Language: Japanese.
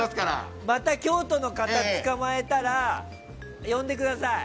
また京都の方、捕まえたら呼んでください。